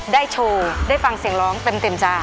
โชว์ได้ฟังเสียงร้องเต็มจ้า